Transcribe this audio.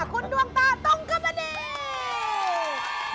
ขอบคุณดวงตาตรงกับอันนี้